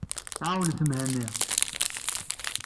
Ɛawnent Mhenni.